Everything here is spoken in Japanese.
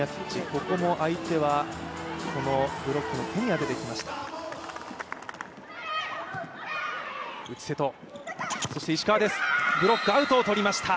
ここも相手は、ブロックの手に当ててきました。